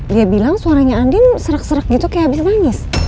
dia bilang suaranya andin serak serak gitu kayak habis nangis